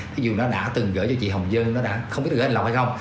ví dụ nó đã từng gửi cho chị hồng dân nó đã không biết gửi cho anh lộc hay không